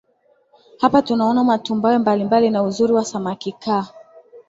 Hapa utaona matumbawe mbalimbali na uzuri wa samaki Kaa